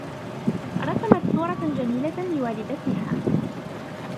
رسمَت صورة جميلة لوالدتها.